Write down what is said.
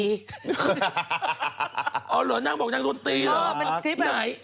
อ๋อเหรอนั่งบอกนั่งดนตรีเหรอไหน